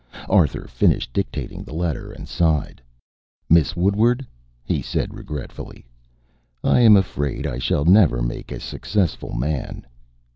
Arthur finished dictating the letter and sighed. "Miss Woodward," he said regretfully, "I am afraid I shall never make a successful man."